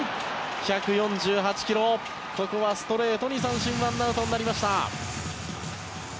１４８キロ、ここはストレートに三振でワンアウトになりました。